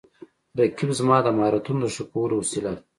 رقیب زما د مهارتونو د ښه کولو وسیله ده